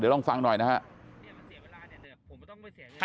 เดี๋ยวลองฟังหน่อยนะครับ